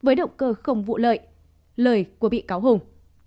với động cơ không vụ lợi lời của bị cáo hùng